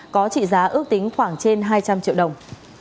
có trị giá ước tính khoảng trên hai trăm linh triệu đồng